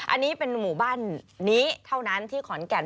อันนี้เป็นหมู่บ้านนี้เท่านั้นที่ขอนแก่น